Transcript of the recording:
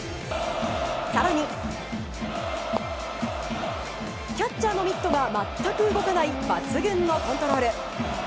更に、キャッチャーのミットが全く動かない抜群のコントロール。